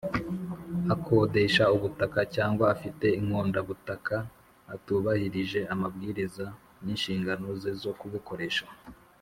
Akodesha ubutaka cyangwa afite inkondabutaka atubahirije amabwiriza n’inshingano ze zo kubukoresha